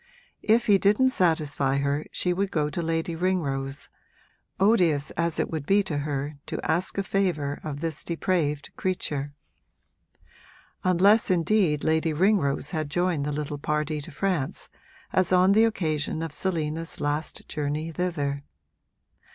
If he didn't satisfy her she would go to Lady Ringrose, odious as it would be to her to ask a favour of this depraved creature: unless indeed Lady Ringrose had joined the little party to France, as on the occasion of Selina's last journey thither.